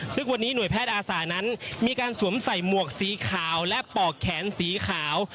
ซึ่งวันนี้หน่วยแพทย์อาสานั้นมีการสวมใส่หมวกสีขาวและปอกแขนสีขาว